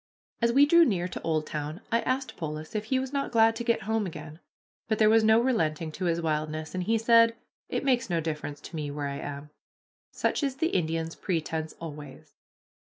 As we drew near to Oldtown I asked Polis if he was not glad to get home again; but there was no relenting to his wildness, and he said, "It makes no difference to me where I am." Such is the Indian's pretense always.